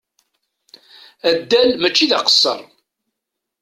Addal mačči d aqesser.